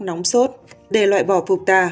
nóng sốt để loại bỏ phục tà